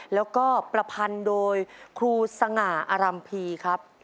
แล้วก็ประพันธ์โดยครูสง่าอรัมภีร์ครับ